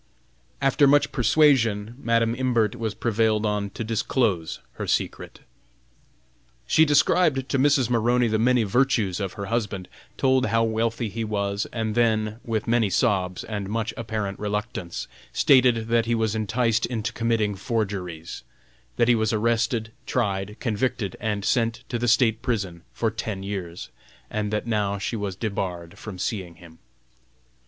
After much persuasion, Madam Imbert was prevailed on to disclose her secret. She described to Mrs. Maroney the many virtues of her husband; told how wealthy he was, and then, with many sobs, and much apparent reluctance, stated that he was enticed into committing forgeries; that he was arrested, tried, convicted and sent to the State prison for ten years, and that now she was debarred from seeing him.